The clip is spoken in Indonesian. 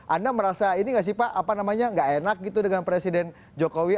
anda merasa ini gak sih pak apa namanya gak enak gitu dengan presiden jokowi